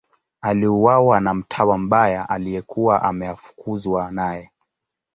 Aliuawa na mtawa mbaya aliyekuwa ameafukuzwa naye.